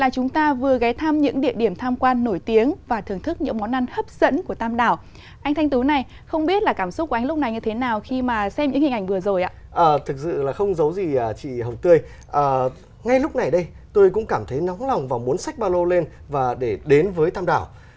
chị hồng tươi ngay lúc này tôi cũng cảm thấy nóng lòng và muốn xách ba lô lên để đến với tam đảo